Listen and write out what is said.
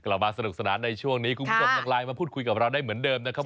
กลับมาสนุกสนานในช่วงนี้คุณผู้ชมยังไลน์มาพูดคุยกับเราได้เหมือนเดิมนะครับ